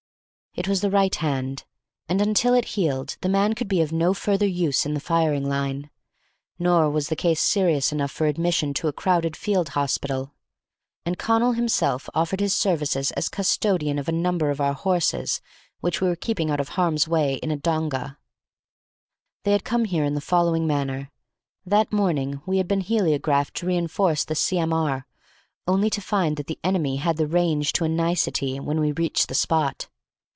It was the right hand, and until it healed the man could be of no further use in the firing line; nor was the case serious enough for admission to a crowded field hospital; and Connal himself offered his services as custodian of a number of our horses which we were keeping out of harm's way in a donga. They had come there in the following manner: That morning we had been heliographed to reinforce the C.M.R., only to find that the enemy had the range to a nicety when we reached the spot.